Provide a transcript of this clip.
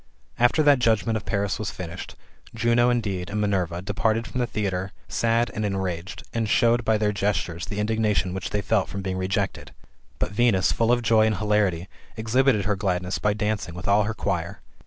After that judgment of Paris was finished, Juno indeed, and Minerva, departed from the theatre sad and enraged, and showed by their gestures the • indignation which they felt from being rejected; but Venus, full of joy and hilarity, exhibited her gladness by dancing with all her choir.